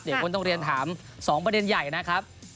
สวัสดีครับ